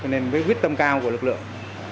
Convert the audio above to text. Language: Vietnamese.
nên với quyết tâm cao của lực lượng